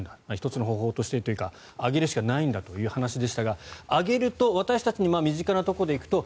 １つの方法というか上げるしかないんだという話でしたが上げると私たちに身近なところで行くと